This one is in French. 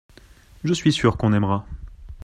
Je suis sûr qu’on aimera.